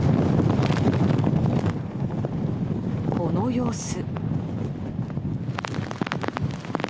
この様子。